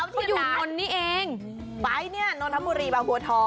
ผู้รู้ผู้ตื่นผู้แซ่บนัว